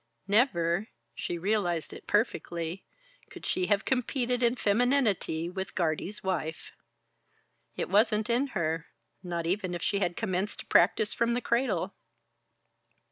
Never she realized it perfectly could she have competed in femininity with Guardie's wife. It wasn't in her, not even if she had commenced to practise from the cradle.